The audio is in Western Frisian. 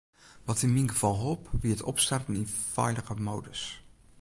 Wat yn myn gefal holp, wie it opstarten yn feilige modus.